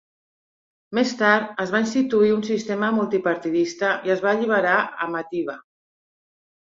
Més tard, es va instituir un sistema multipartidista i es va alliberar a Matiba.